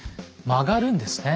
曲がるんですね。